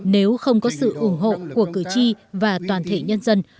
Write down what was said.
nếu không có sự ủng hộ của cử tri và toàn thể nhân dân